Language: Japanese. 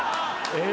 え！